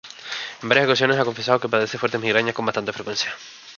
En varias ocasiones ha confesado que padece de fuertes migrañas con bastante frecuencia.